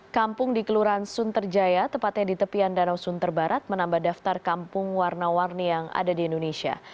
kampung di kelurahan sunterjaya tepatnya di tepian danau sunter barat menambah daftar kampung warna warni yang ada di indonesia